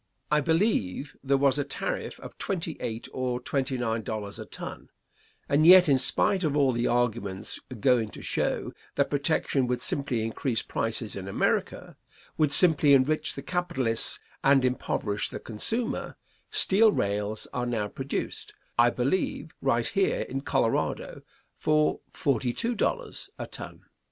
I believe there was a tariff of twenty eight or twenty nine dollars a ton, and yet in spite of all the arguments going to show that protection would simply increase prices in America, would simply enrich the capitalists and impoverish the consumer, steel rails are now produced, I believe, right here in Colorado for forty two dollars a ton.